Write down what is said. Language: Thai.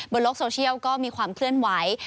โลกโซเชียลก็มีความเคลื่อนไหว